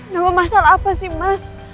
nambah masalah apa sih mas